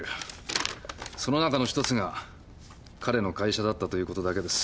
その中のひとつが「彼の会社だった」ということだけです。